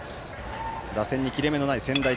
打線に切れ目のない専大松戸。